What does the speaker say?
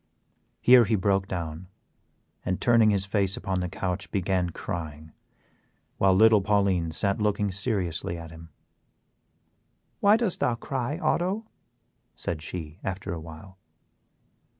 Here he broke down and, turning his face upon the couch, began crying, while little Pauline sat looking seriously at him. "Why dost thou cry, Otto?" said she, after a while.